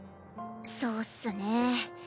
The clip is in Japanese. そうっすね。